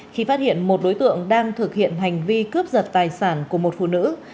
khi phát hiện một đối tượng đang thực hiện hành vi cướp giật tài sản của một phụ nữ